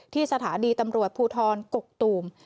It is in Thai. ที่สถานีตำรวจภูทรกกตูม